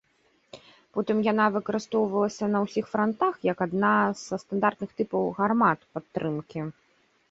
Потым яна выкарыстоўвалася на ўсіх франтах як адна са стандартных тыпаў гармат падтрымкі.